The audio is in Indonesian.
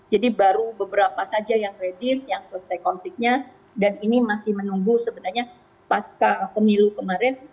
jadi baru beberapa saja yang kredis yang selesai konfliknya dan ini masih menunggu sebenarnya pasca pemilu kemarin